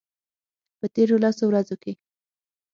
په تیرو لسو ورځو کې